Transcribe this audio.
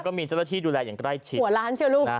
ก็มีเจ้าหน้าที่ดูแลอย่างใกล้ชิดหัวล้านเชียวลูก